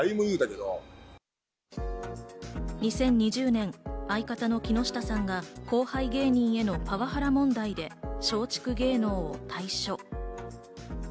２０２０年、相方の木下さんが後輩芸人へのパワハラ問題で松竹芸能を退所。